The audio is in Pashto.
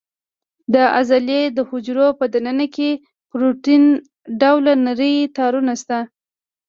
د عضلې د حجرو په دننه کې پروتین ډوله نري تارونه شته.